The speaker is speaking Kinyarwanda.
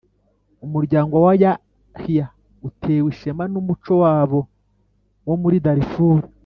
Umuryango wa Yahya utewe ishema n’ umuco wabo wo muri Darfur.